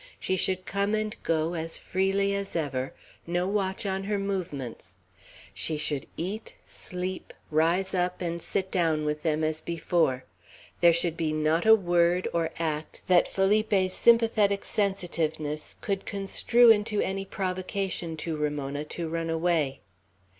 She should come and go as freely as ever; no watch on her movements; she should eat, sleep, rise up and sit down with them, as before; there should be not a word, or act, that Felipe's sympathetic sensitiveness could construe into any provocation to Ramona to run away.